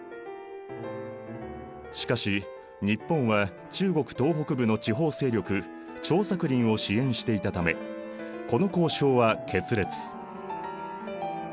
しかし日本は中国東北部の地方勢力張作霖を支援していたためこの交渉は決裂。